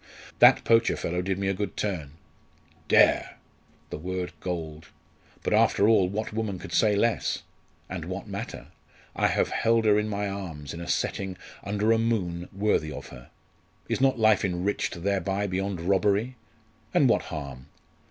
"That poacher fellow did me a good turn. Dare! the word galled. But, after all, what woman could say less? And what matter? I have held her in my arms, in a setting under a moon worthy of her. Is not life enriched thereby beyond robbery? And what harm?